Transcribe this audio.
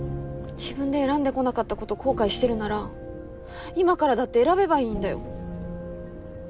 自分で選んでこなかった事を後悔してるなら今からだって選べばいいんだよ。